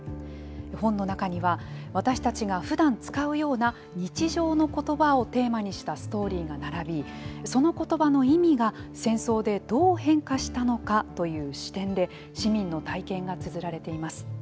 本の中には、私たちがふだん使うような日常の言葉をテーマにしたストーリーが並びその言葉の意味が戦争でどう変化したのかという視点で市民の体験がつづられています。